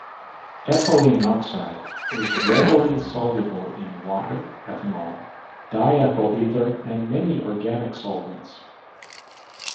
Ethylene oxide is readily soluble in water, ethanol, diethyl ether and many organic solvents.